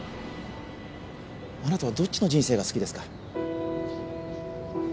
あなたはどっちの人生が好きですか？